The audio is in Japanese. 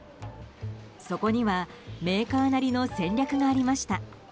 そこにはメーカーなりの戦略がありました。